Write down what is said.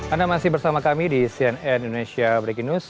anda masih bersama kami di cnn indonesia breaking news